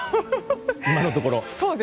今のところ。